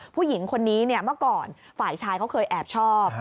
ผู้หญิงคนนี้เมื่อก่อนฝ่ายชายเขาเคยแอบชอบ